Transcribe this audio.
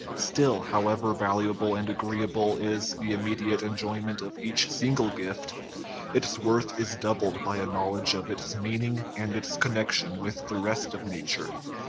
Still, however valuable and agreeable is the immediate enjoyment of each single gift, its worth is doubled by a knowledge of its meaning and its connection with the rest of nature.